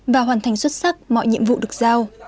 và hoàn thành xuất sắc mọi nhiệm vụ được giao